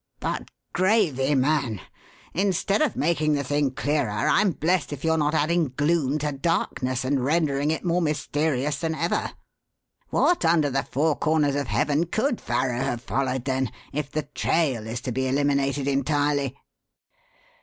But, gravy, man! instead of making the thing clearer, I'm blest if you're not adding gloom to darkness, and rendering it more mysterious than ever. What under the four corners of heaven could Farrow have followed, then, if the 'trail' is to be eliminated entirely?"